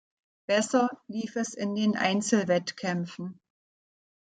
Besser lief es in den Einzelwettkämpfen.